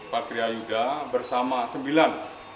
pak priayuda bersama sembilan